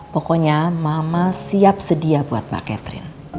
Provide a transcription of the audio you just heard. pokoknya mama siap sedia buat mbak catherine